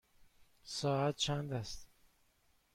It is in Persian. ساعت چند است؟